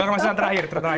mas yang terakhir